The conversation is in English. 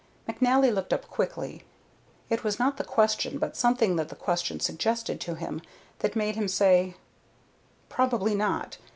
McNally looked up quickly. It was not the question, but something that the question suggested to him, that made him say: "Probably not.